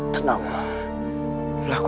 tenanglah keponakan ku